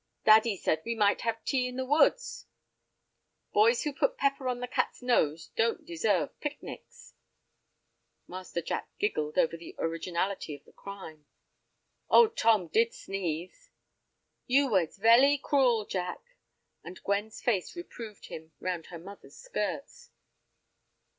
"Daddy said we might have tea in the woods." "Boys who put pepper on the cat's nose don't deserve picnics." Master Jack giggled over the originality of the crime. "Old Tom did sneeze!" "You was velly cruel, Jack," and Gwen's face reproved him round her mother's skirts.